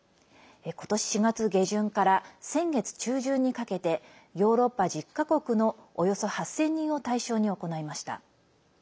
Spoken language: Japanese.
ことし４月下旬から先月中旬にかけてヨーロッパ１０か国のおよそ８０００人を対象に行いました。